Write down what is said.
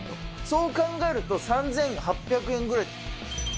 そう考えると、３８００円ぐらい。